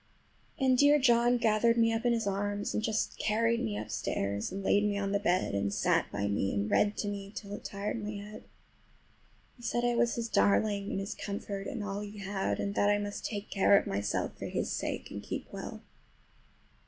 And dear John gathered me up in his arms, and just carried me upstairs and laid me on the bed, and sat by me and read to me till it tired my head. He said I was his darling and his comfort and all he had, and that I must take care of myself for his sake, and keep well.